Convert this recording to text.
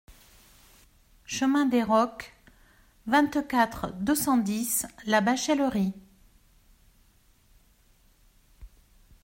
Chemin des Rocs, vingt-quatre, deux cent dix La Bachellerie